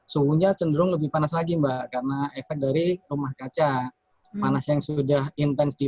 suhunya cenderung lebih panas lagi mbak karena efek dari rumah kaca panas yang sudah intens di